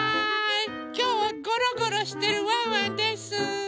きょうはゴロゴロしてるワンワンです。